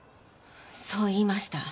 そう言いました。